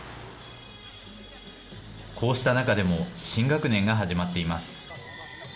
こうした中でも新学年が始まっています。